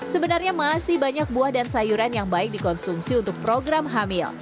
sebenarnya masih banyak buah dan sayuran yang baik dikonsumsi untuk program hamil